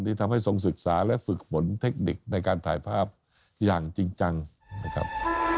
ทำให้ทรงศึกษาและฝึกฝนเทคนิคในการถ่ายภาพอย่างจริงจังนะครับ